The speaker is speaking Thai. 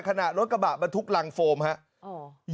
ขณะรถกระบะบรรทุกรังโฟมครับ